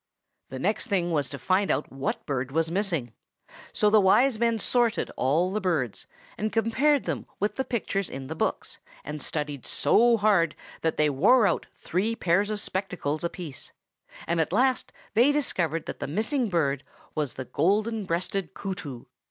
The next thing was to find out what bird was missing. So the Wise Men sorted all the birds, and compared them with the pictures in the books, and studied so hard that they wore out three pairs of spectacles apiece; and at last they discovered that the missing bird was the "Golden breasted Kootoo."